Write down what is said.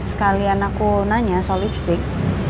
sekalian aku nanya soal lipstick